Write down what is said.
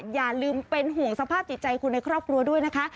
อย่าลืมเป็นห่วงสภาพจิตใจคนในครอบครัวด้วยนะคะ